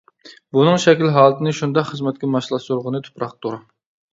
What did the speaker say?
بۇنىڭ شەكىل ھالىتىنى شۇنداق خىزمەتكە ماسلاشتۇرغىنى تۇپراقتۇر.